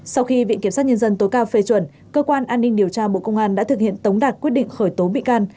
sau khi viện kiểm sát nhân dân tối cao phê chuẩn cơ quan an ninh điều tra bộ công an đã thực hiện tống đạt quyết định khởi tố bị can